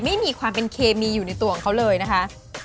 ไม่มีความเป็นเคมีอยู่ในตัวของเขาเลยนะคะ